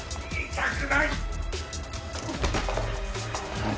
痛くない！